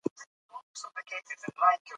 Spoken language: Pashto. که ډاکټر مسلکی وي نو ناروغ نه معیوب کیږي.